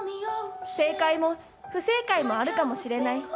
正解も不正解もあるかもしれない。